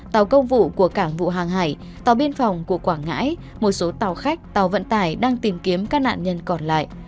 tàu công vụ của cảng vụ hàng hải tàu biên phòng của quảng ngãi một số tàu khách tàu vận tải đang tìm kiếm các nạn nhân còn lại